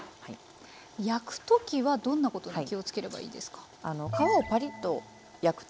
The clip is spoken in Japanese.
焼く時はどんなことに気をつければいいですか？